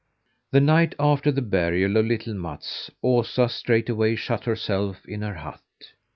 The night after the burial of little Mats, Osa straightway shut herself in her hut.